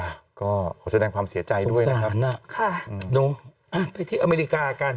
อ่ะก็ขอแสดงความเสียใจด้วยนะครับค่ะเนอะอ่ะไปที่อเมริกากัน